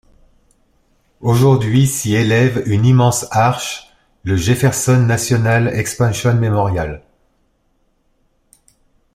Aujourd'hui s'y élève une immense arche, le Jefferson National Expansion Memorial.